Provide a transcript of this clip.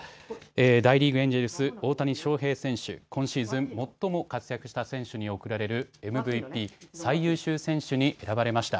大リーグ、エンジェルスの大谷翔平選手、今シーズン最も活躍した選手に贈られるＭＶＰ・最優秀選手に選ばれました。